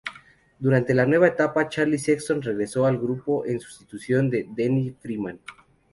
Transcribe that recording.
Durante la nueva etapa, Charlie Sexton regresó al grupo, en sustitución de Denny Freeman.